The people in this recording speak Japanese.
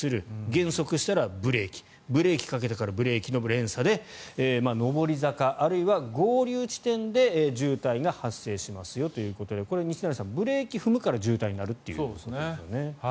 減速したらブレーキブレーキかけたからブレーキの連鎖で上り坂あるいは合流地点で渋滞が発生しますよということでこれ、西成さんブレーキを踏むからそうですね。